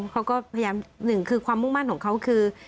เขาก็พยายามหนึ่งคือความมุ่งมั่นของเขาคือ